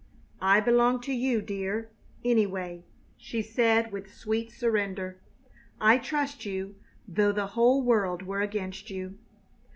"I belong to you, dear, anyway," she said, with sweet surrender. "I trust you though the whole world were against you!"